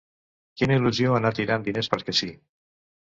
Quina il·lusió anar tirant diners perquè si.